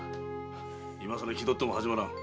今さら気どっても始まらん。